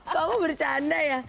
kamu bercanda ya